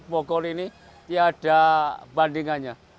di kabupaten bogor ini tidak ada bandingannya